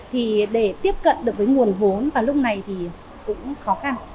thì để tiếp cận được với nguồn vốn vào lúc này thì cũng khó khăn